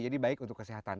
jadi baik untuk kesehatan